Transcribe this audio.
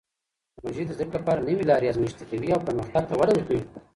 ټکنالوژي د زده کړې لپاره نوې لارې ازمېښتي کوي او پرمختګ ته وده ورکوي.